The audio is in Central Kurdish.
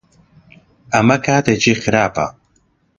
ئەمە کاتێکی خراپە؟